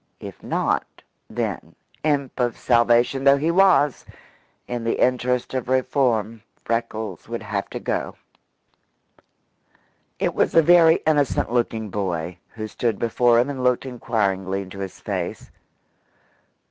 If not, then imp of salvation though he was in the interest of reform, Freckles would have to go. It was a very innocent looking boy who stood before him and looked inquiringly into his face.